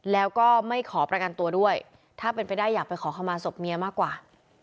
แล้วก็ไม่ขอประกันตัวด้วยถ้าเป็นไปได้อยากไปขอเข้ามาศพเมียมากกว่า